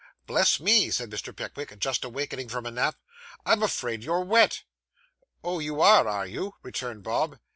'Bless me!' said Mr. Pickwick, just awakening from a nap, 'I'm afraid you're wet.' 'Oh, you are, are you?' returned Bob.